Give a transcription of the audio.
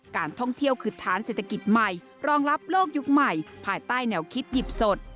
การท่องเที่ยวคือฐานเศรษฐกิจใหม่รองรับโลกยุคใหม่ภายใต้แนวคิดหยิบสด